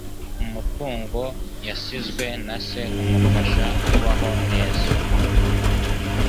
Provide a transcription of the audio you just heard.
Umutungo yasizwe na se umufasha kubaho neza